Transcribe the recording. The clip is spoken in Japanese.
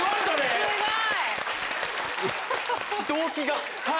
すごい！